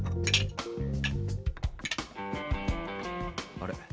あれ？